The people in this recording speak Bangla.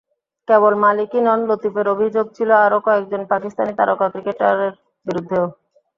কেবল মালিকই নন, লতিফের অভিযোগ ছিল আরও কয়েকজন পাকিস্তানি তারকা ক্রিকেটারের বিরুদ্ধেও।